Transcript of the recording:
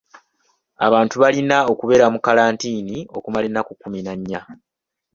Abantu balina okubeera mu kalantiini okumala ennaku kkumi na nnya.